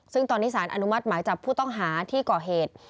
ซึ่งตอนนี้สารอนุมัติหมายจับผู้ต้องหาที่ก่อเหตุ